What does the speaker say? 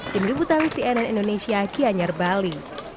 dini putari cnn indonesia gianyar bali